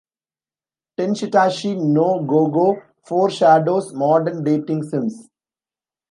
"Tenshitachi no Gogo" foreshadows modern dating sims.